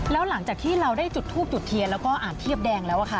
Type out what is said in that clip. แล้วหลังจากที่เราได้จุดทูบจุดเทียนแล้วก็อ่านเทียบแดงแล้วค่ะ